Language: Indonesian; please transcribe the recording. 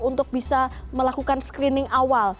untuk bisa melakukan screening awal